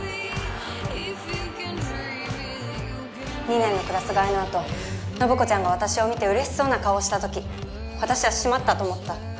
二年のクラス替えのあと信子ちゃんが私を見て嬉しそうな顔をしたとき私はしまったと思った。